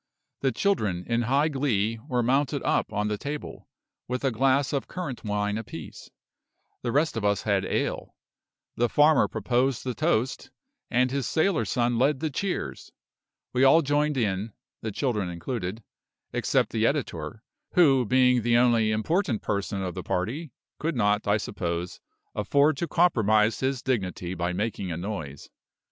The children, in high glee, were mounted up on the table, with a glass of currant wine apiece; the rest of us had ale; the farmer proposed the toast, and his sailor son led the cheers. We all joined in (the children included), except the editor who, being the only important person of the party, could not, I suppose, afford to compromise his dignity by making a noise.